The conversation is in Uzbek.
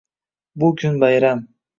Bukun bayram